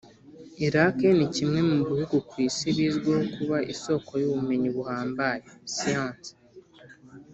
Iraq ni kimwe mu bihugu ku isi bizwiho kuba isoko y’ubumenyi buhambaye (science)